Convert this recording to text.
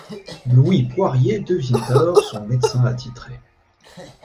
Louis Poirier devient alors son médecin attitré.